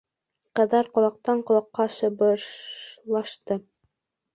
Ҡыҙҙар ҡолаҡтан ҡолаҡҡа шыбырлашты: